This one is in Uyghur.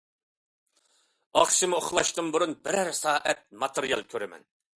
ئاخشىمى ئۇخلاشتىن بۇرۇن بىرەر سائەت ماتېرىيال كۆرىمەن.